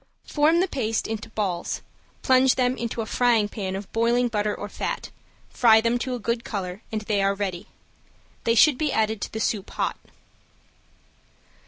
Form the paste into balls, plunge them into a frying pan of boiling butter or fat, fry them to a good color, and they are ready. They should be added to the soup hot.